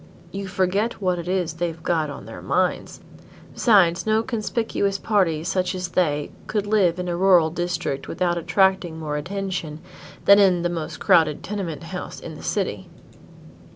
"You forget what it is they've got on their minds; besides no conspicuous party such as they could live in a rural district without attracting more attention than in the most crowded tenement house in the city."